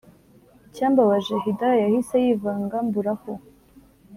icyambabaje hidaya yahise yivanga mbura aho